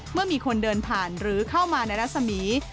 เมื่อมีคนเดินผ่านหรือเข้ามาในรัศมี